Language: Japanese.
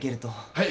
はい。